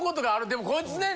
でもこいつね。